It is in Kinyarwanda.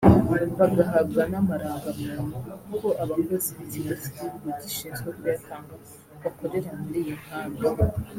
bagahabwa n’amarangamuntu kuko abakozi b’ ikigo cy’igihugu gishinzwe kuyatanga bakorera muri iyi nkambi